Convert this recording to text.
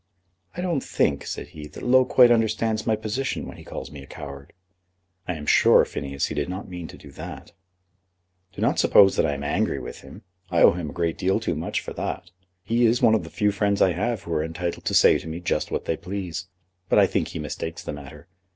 "I don't think," said he, "that Low quite understands my position when he calls me a coward." "I am sure, Phineas, he did not mean to do that." "Do not suppose that I am angry with him. I owe him a great deal too much for that. He is one of the few friends I have who are entitled to say to me just what they please. But I think he mistakes the matter.